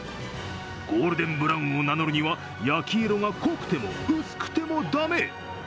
ゴールデンブラウンを名乗るには、焼き色が濃くても薄くても駄目。